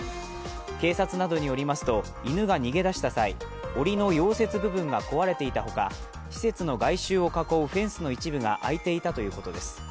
警察などによりますと、犬が逃げ出した際、おりの溶接部分が壊れていたほか、施設の外周を囲うフェンスの一部が開いていたということです。